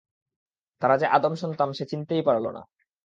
তারা যে আদম সন্তান সে চিনতেই পারল না।